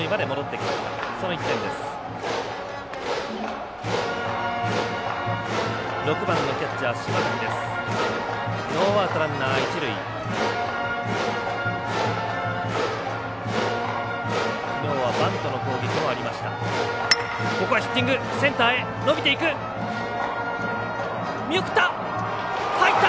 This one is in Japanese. きのうはバントの攻撃もありました。